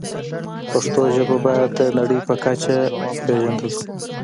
پښتو ژبه باید د نړۍ په کچه پېژندل شي.